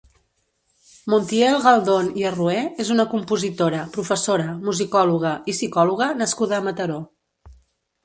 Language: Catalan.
Montiel Galdon i Arrué és una compositora, professora, musicòloga i psicòloga nascuda a Mataró.